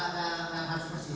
tidak harus berhenti